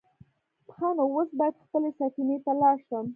_ښه نو، اوس بايد خپلې سفينې ته لاړ شم.